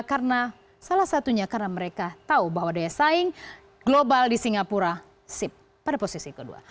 karena salah satunya karena mereka tahu bahwa daya saing global di singapura sip pada posisi kedua